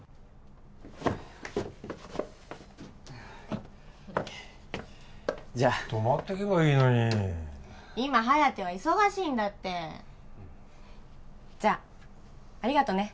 はいじゃ泊まってけばいいのに今颯は忙しいんだってじゃありがとね